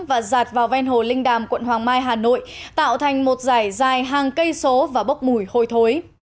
và giạt vào ven hồ linh đàm quận hoàng mai hà nội tạo thành một dải dài hàng cây số và bốc mùi hôi thối